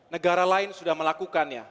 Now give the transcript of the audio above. negara lain sudah melakukannya